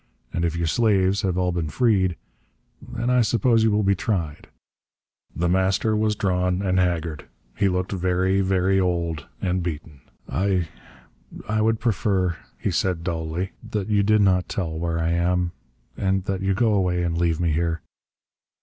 And if your slaves have all been freed, then I suppose you will be tried...." The Master was drawn and haggard. He looked very, very old and beaten. "I I would prefer," he said dully, "that you did not tell where I am, and that you go away and leave me here.